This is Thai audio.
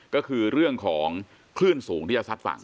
ก็คือเรื่องของคลื่นสูงที่จะซัดฝั่ง